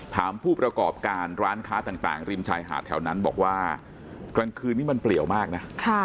ผู้ประกอบการร้านค้าต่างริมชายหาดแถวนั้นบอกว่ากลางคืนนี้มันเปลี่ยวมากนะ